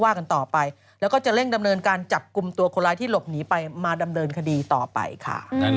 กันต่อไปแล้วก็จะเร่งดำเนินการจับกลุ่มตัวคนร้ายที่หลบหนีไปมาดำเนินคดีต่อไปค่ะ